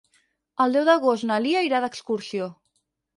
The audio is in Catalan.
El deu d'agost na Lia irà d'excursió.